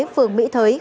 phường mỹ thới khai báo